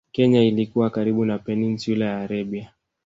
Kenya ilikuwa karibu na Peninsula ya Arabia